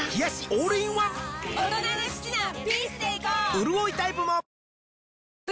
うるおいタイプもあら！